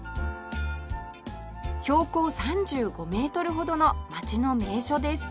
標高３５メートルほどの街の名所です